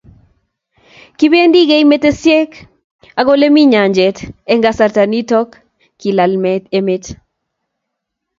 kibendi keimetesiek ak ole mi nyanjet Eng' kasarta nito kilal emet